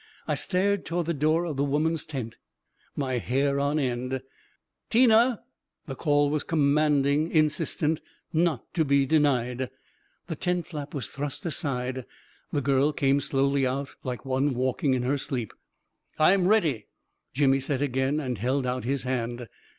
I stared toward the door of the women's tent, my hair on end ... 14 Tina 1 " The call was commanding, insistent, not to be de nied ... The tent flap was thrust aside — the girl came slowly out, like one walking in her sleep. 44 I'm ready! " Jimmy said again, and held out his hand.